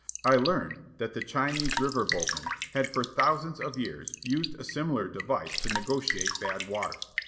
I learned that the Chinese river boatmen had for thousands of years used a similar device to negotiate "bad water."